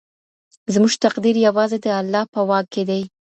زموږ تقدیر یوازې د الله په واک کې دی.